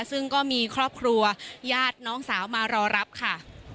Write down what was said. ซึ่งก็มีครอบครัวญาติน้องสาวมารอรับค่ะ